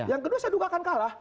yang kedua saya duga akan kalah